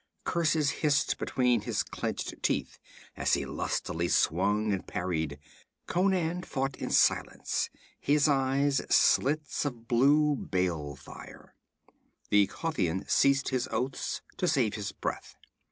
Curses hissed between his clenched teeth as he lustily swung and parried. Conan fought in silence, his eyes slits of blue bale fire. The Kothian ceased his oaths to save his breath.